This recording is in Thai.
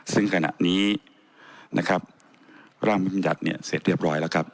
ซึ่งขณะนี้พรมยัทธ์เนี่ยเสร็จเรียบร้อยนะครับ